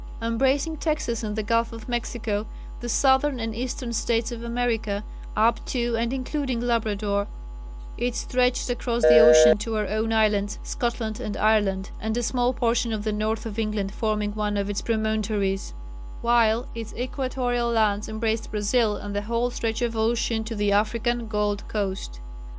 Embracing Texas and the Gulf of Mexico, the Southern and Eastern States of America, up to and including Labrador, it stretched across the ocean to our own islands Scotland and Ireland, and a small portion of the north of England forming one of its promontories while its equatorial lands embraced Brazil and the whole stretch of ocean to the African Gold Coast.